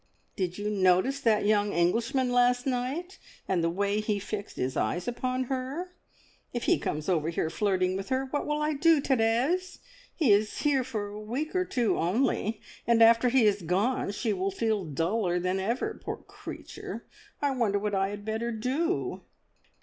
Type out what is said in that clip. Did you notice that young Englishman last night, and the way he fixed his eyes upon her? If he comes over here flirting with her, what will I do, Therese? He is here for a week or two only, and after he has gone she will feel duller than ever, poor creature. I wonder what I had better do?"